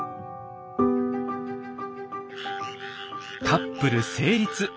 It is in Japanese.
カップル成立。